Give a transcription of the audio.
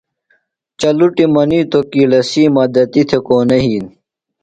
چلُٹیۡ منیتو لسی مدتی تھےۡ کونہ یھین۔